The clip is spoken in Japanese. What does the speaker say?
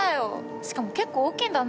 しかも結構大きいんだね